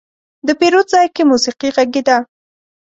د پیرود ځای کې موسيقي غږېده.